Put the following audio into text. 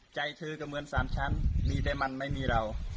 ใจเธอจะเหมือน๓ชั้นมีแต่มันไม่มีเรา